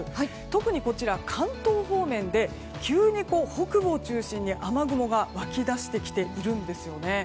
特に、関東方面で急に北部を中心に雨雲が湧き出してきているんですね。